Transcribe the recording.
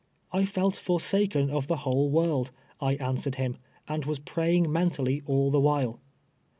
I felt forsaken of the whole world, I answered him, and was praying mentally all the while.